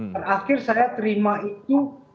dan akhir saya terima itu